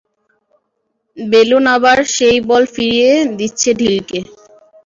Balloon আবার সেই বল ফিরিয়ে দিচ্ছে ঢিলকে।